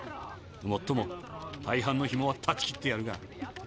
もっとも大半のヒモはたち切ってやるが。